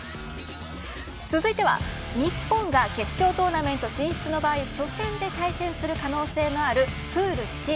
続いては日本が決勝トーナメント進出の場合初戦で対戦する可能性のあるプールＣ。